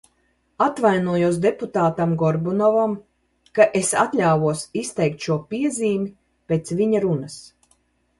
Atvainojos deputātam Gorbunovam, ka es atļāvos izteikt šo piezīmi pēc viņa runas.